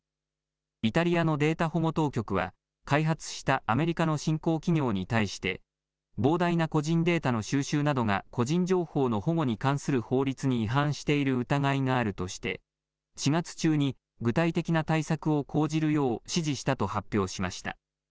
イタリアのデータ保護当局は開発したアメリカの新興企業に対して膨大な個人データの収集などが個人情報の保護に関する法律に違反している疑いがあるとして４月中に具体的な対策を講じるよう指示したと発表しました。